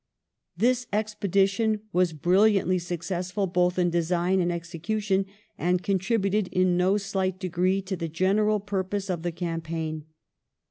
This expedi tion was brilliantly successful both in design and execution and contributed in no slight degree to the general purpose of the cam paign.